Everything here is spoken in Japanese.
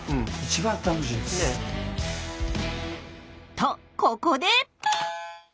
とここで！